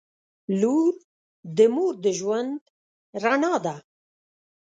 • لور د مور د ژوند رڼا ده.